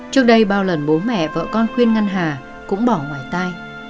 trước đây bao lần bố mẹ vợ con khuyên ngăn hà cũng bỏ ngoài tay